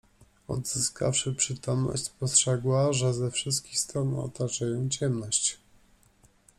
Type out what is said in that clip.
Odzyskawszy przytomność, spostrzegła, że ze wszystkich stron otacza ją ciemność.